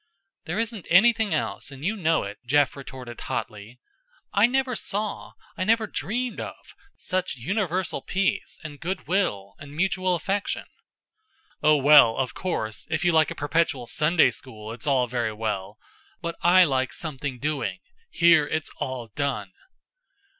"There isn't anything else, and you know it," Jeff retorted hotly. "I never saw, I never dreamed of, such universal peace and good will and mutual affection." "Oh, well, of course, if you like a perpetual Sunday school, it's all very well. But I like Something Doing. Here it's all done."